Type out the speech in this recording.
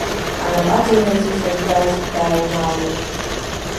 Анапаҵаҩразы сахьтәаз дааҩналеит.